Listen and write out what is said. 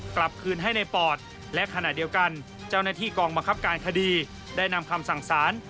กลับคืนให้ในปอดและขณะเดียวกันเจ้าหน้าที่กองบังคับการคดีได้นำคำสั่งสาร